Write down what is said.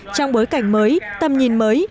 trong bối cảnh mới tầm nhìn mới